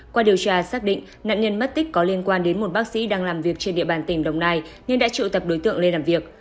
qua điều tra xác định nạn nhân mất tích có liên quan đến một bác sĩ đang làm việc trên địa bàn tỉnh đồng nai nhưng đã trụ tập đối tượng lên làm việc